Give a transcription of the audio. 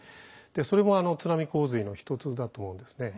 それも津波洪水の一つだと思うんですね。